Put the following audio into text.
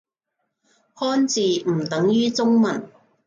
漢字唔等於中文